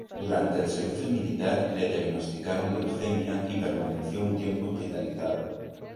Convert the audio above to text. Durante el servicio militar le diagnosticaron leucemia y permaneció un tiempo hospitalizado.